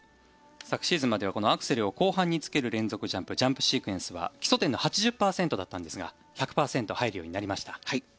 昨シーズンまではこのアクセルを後半につける連続ジャンプジャンプシークエンスは基礎点の８０％だったんですが１００％入るようになりました。